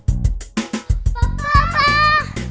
member ngomong sama aku